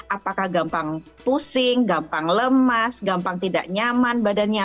apakah gampang pusing gampang lemas gampang tidak nyaman badannya